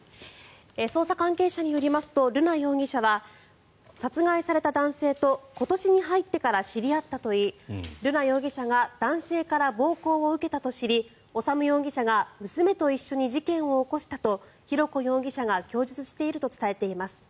捜査関係者によりますと瑠奈容疑者は殺害された男性と今年に入ってから知り合ったといい瑠奈容疑者が男性から暴行を受けたと知り修容疑者が娘と一緒に事件を起こしたと浩子容疑者が供述していると伝えています。